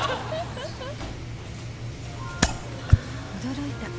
驚いた。